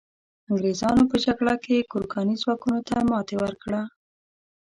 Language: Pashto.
انګریزانو په جګړه کې ګورکاني ځواکونو ته ماتي ورکړه.